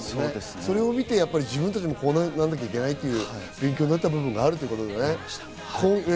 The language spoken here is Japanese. それを見て自分たちもこうならなきゃいけないっていう勉強になったってことですかね。